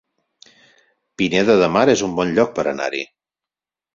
Pineda de Mar es un bon lloc per anar-hi